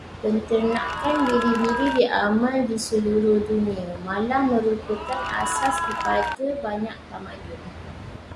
Penternakan biri-biri diamalkan di seluruh dunia, malah merupakan asas kepada banyak tamadun.